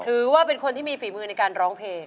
ถือว่าเป็นคนที่มีฝีมือในการร้องเพลง